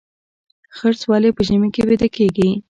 خرس ولې په ژمي کې ویده کیږي؟